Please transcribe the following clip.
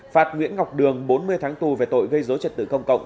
phạt nguyễn ngọc đường bốn mươi tháng tù về tội gây dối trật tự công cộng